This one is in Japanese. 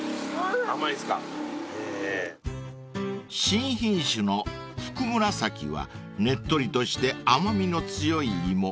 ［新品種のふくむらさきはねっとりとして甘味の強い芋］